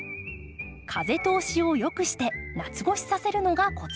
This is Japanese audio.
風通しをよくして夏越しさせるのがコツ。